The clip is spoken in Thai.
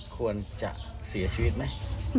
ควรจะเสียชีวิตไหม